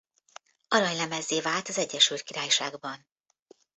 Aranylemezzé vált az Egyesült Királyságban.